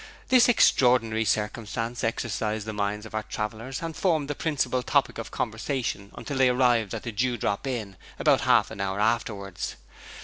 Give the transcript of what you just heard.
This extraordinary circumstance exercised the minds of our travellers and formed the principal topic of conversation until they arrived at the Dew Drop Inn, about half an hour afterwards.